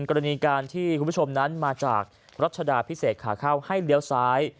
กรณีการที่คุณผู้ชมนั้นมาจากรัชดาพิเศษขาเข้าให้เลี้ยวซ้าย